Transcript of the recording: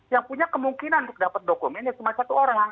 yang punya kemungkinan untuk dapat dokumen ya cuma satu orang